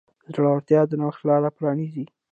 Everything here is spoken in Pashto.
زړورتیا د نوښت لاره پرانیزي.